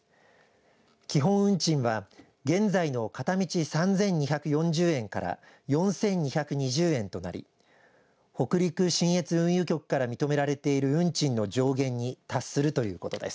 基本運賃は現在の片道３２４０円から４２２０円となり北陸信越運輸局から認められている運賃の上限に達するということです。